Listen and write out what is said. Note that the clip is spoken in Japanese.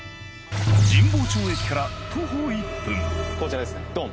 神保町駅から徒歩１分こちらですねドン。